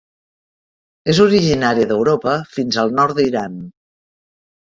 És originària d'Europa fins al nord d'Iran.